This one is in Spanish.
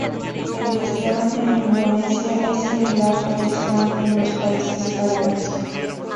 El Islam en Indonesia es similar al Islam en los países árabes.